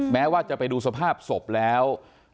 แม้ว่าจะไปดูสภาพศพแล้ว